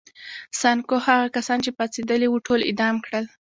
سانکو هغه کسان چې پاڅېدلي وو ټول اعدام کړل.